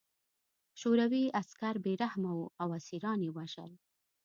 شوروي عسکر بې رحمه وو او اسیران یې وژل